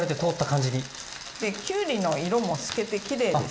できゅうりの色も透けてきれいですよね。